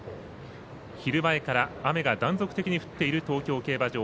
昼前から雨が断続的に降っている東京競馬場。